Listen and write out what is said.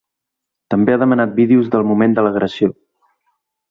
També ha demanat vídeos del moment de l’agressió.